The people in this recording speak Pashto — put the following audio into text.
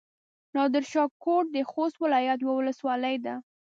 نادرشاه کوټ د خوست ولايت يوه ولسوالي ده.